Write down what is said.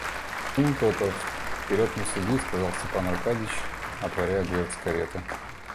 Ну то-то, вперед не суди, — сказал Степан Аркадьич, отворяя дверцы кареты.